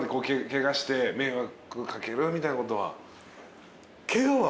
ケガして迷惑掛けるみたいなことは。